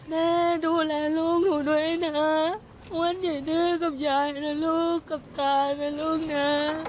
แม่ดูแลลูกหนูด้วยนะวันไหนดื้อกับยายนะลูกกับตานะลูกนะ